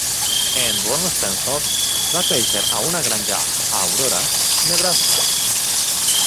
En Ron Spencer va créixer a una granja a Aurora, Nebraska.